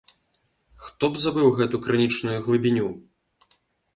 Хто б забыў гэту крынічную глыбіню?!